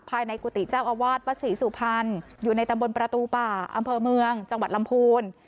กุฏิเจ้าอาวาสวัดศรีสุพรรณอยู่ในตำบลประตูป่าอำเภอเมืองจังหวัดลำพูน